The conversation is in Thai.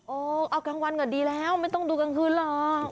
เอากลางวันก็ดีแล้วไม่ต้องดูกลางคืนหรอก